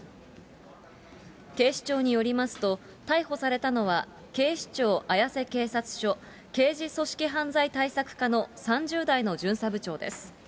警視庁によりますと、逮捕されたのは警視庁綾瀬警察署刑事組織犯罪対策課の３０代の巡査部長です。